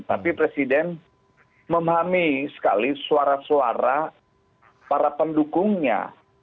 tapi presiden memahami sekali suara suara para pendukungnya